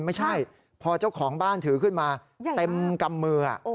ไม่ใช่พอเจ้าของบ้านถือขึ้นมาเต็มกำมือ